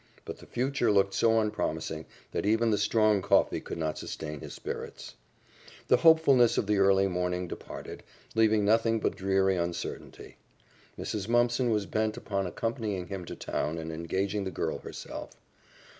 But the future looked so unpromising that even the strong coffee could not sustain his spirits. The hopefulness of the early morning departed, leaving nothing but dreary uncertainty. Mrs. Mumpson was bent upon accompanying him to town and engaging the girl herself.